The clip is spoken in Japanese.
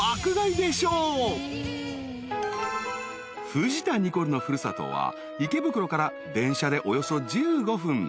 ［藤田ニコルの古里は池袋から電車でおよそ１５分］